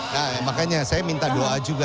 nah makanya saya minta doa juga